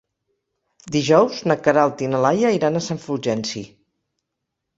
Dijous na Queralt i na Laia iran a Sant Fulgenci.